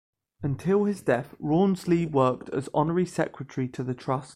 Until his death, Rawnsley worked as Honorary Secretary to the Trust.